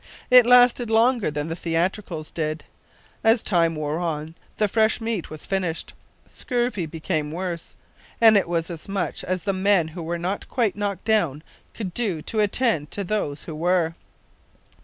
It lasted longer than the theatricals did. As time wore on the fresh meat was finished, scurvy became worse; and it was as much as the men who were not quite knocked down could do to attend to those who were.